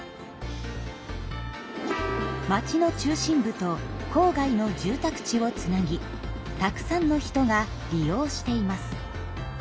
町の中心部と郊外の住宅地をつなぎたくさんの人が利用しています。